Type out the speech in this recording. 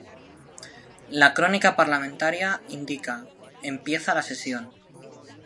La crónica parlamentaria indica: "Empieza la sesión.